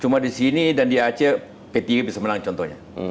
cuma di sini dan di aceh p tiga bisa menang contohnya